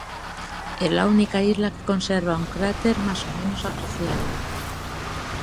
Es la única isla que conserva un cráter más o menos apreciable.